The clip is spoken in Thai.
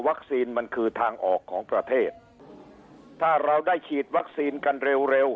มันคือทางออกของประเทศถ้าเราได้ฉีดวัคซีนกันเร็วเร็ว